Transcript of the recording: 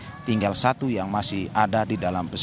dan juga yang dua sisanya yang masih berada di dalam pesawat tersebut